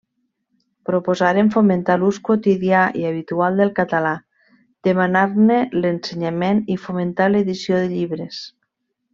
Proposaren fomentar l'ús quotidià i habitual del català, demanar-ne l'ensenyament i fomentar l'edició de llibres.